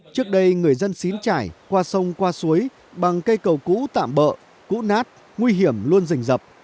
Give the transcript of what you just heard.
trước đây người dân xín trải qua sông qua suối bằng cây cầu cũ tạm bỡ cũ nát nguy hiểm luôn rình rập